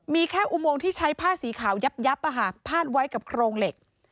มีแค่อุโมงที่ใช้ผ้าสีขาวยับพาดไว้กับโครงเหล็ก